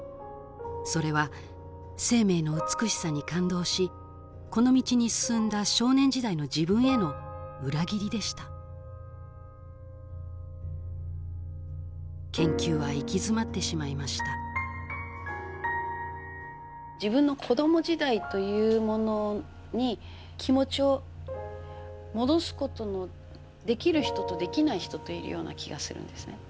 それは生命の美しさに感動しこの道に進んだ少年時代の自分への裏切りでした研究は行き詰まってしまいました自分の子供時代というものに気持ちを戻す事のできる人とできない人といるような気がするんですね。